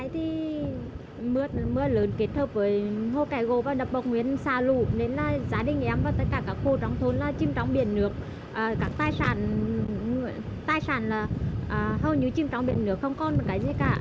tại sản tài sản là hầu như chìm trong biển nước không còn cái gì cả